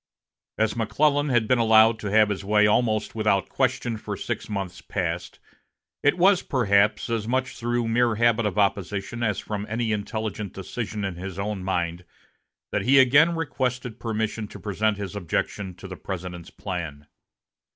As McClellan had been allowed to have his way almost without question for six months past, it was, perhaps, as much through mere habit of opposition as from any intelligent decision in his own mind that he again requested permission to present his objections to the President's plan.